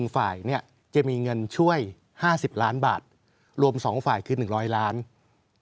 ฝ่ายเนี่ยจะมีเงินช่วย๕๐ล้านบาทรวม๒ฝ่ายคือ๑๐๐ล้านบาท